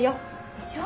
でしょ？